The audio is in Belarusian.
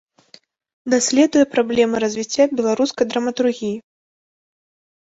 Даследуе праблемы развіцця беларускай драматургіі.